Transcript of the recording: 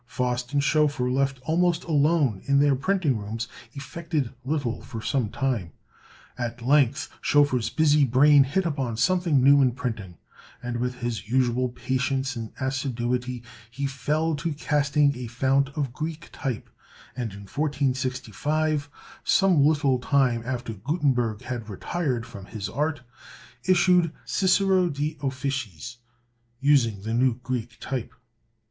Faust and Schoeffer, left almost alone in their printing rooms, effected little for some time. At length Schoeffer's busy brain hit upon something new in printing; and with his usual patience and assiduity he fell to casting a fount of Greek type, and in 1465, some little time after Gutenberg had retired from his art, issued "Cicero de Officiis," using the new Greek type.